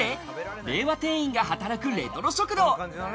令和店員が働くレトロ食堂。